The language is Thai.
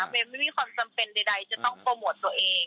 ไม่มีความจำเป็นใดจะต้องโปรโมทตัวเอง